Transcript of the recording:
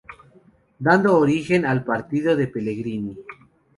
Dando origen al Partido de Pellegrini.